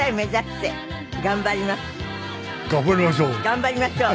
頑張りましょう。